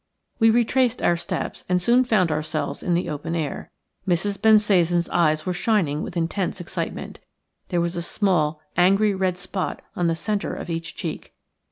We retraced our steps and soon found ourselves in the open air. Mrs. Bensasan's eyes were shining with intense excitement. There was a small, angry red spot on the centre of each cheek.